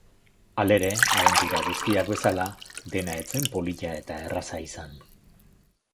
Halere, abentura guztiak bezala, dena ez zen polita eta erraza izan.